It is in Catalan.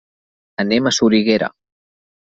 Anem a Soriguera.